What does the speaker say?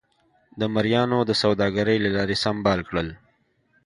د مریانو د سوداګرۍ له لارې سمبال کړل.